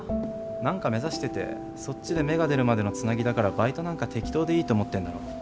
何か目指しててそっちで芽が出るまでのつなぎだからバイトなんか適当でいいと思ってるんだろ。